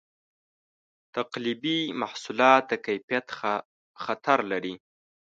تقلبي محصولات د کیفیت خطر لري.